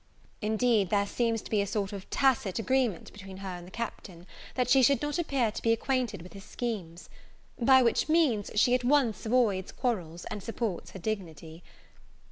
Indeed there seems to be a sort of tacit agreement between her and the Captain, that she should not appear to be acquainted with his schemes; by which means she at once avoids quarrels, and supports her dignity.